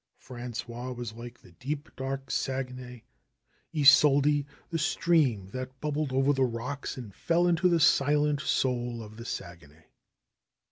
Frangois was like the deep, dark Saguenay; Isolde the stream that bubbled over the rocks and fell into the silent soul of the Saguenay.